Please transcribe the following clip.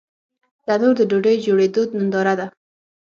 تنور د ډوډۍ جوړېدو ننداره ده